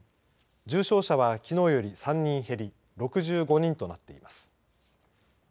重症者はきのうより３人減り６５人となっています。